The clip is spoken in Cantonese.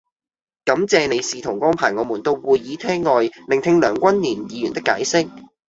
感謝你試圖安排我們到會議廳外聆聽梁君彥議員的解釋